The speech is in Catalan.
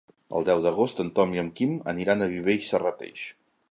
El deu d'agost en Tom i en Quim aniran a Viver i Serrateix.